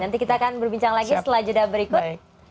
nanti kita akan berbincang lagi setelah jeda berikut